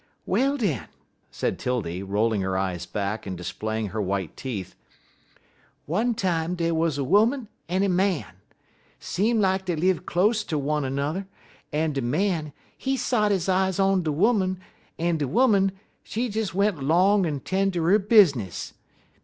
"Well, den," said 'Tildy, rolling her eyes back and displaying her white teeth, "one time dey wuz a 'Oman en a Man. Seem like dey live close ter one er n'er, en de Man he sot his eyes on de 'Oman, en de 'Oman, she des went 'long en 'ten' ter her bizness.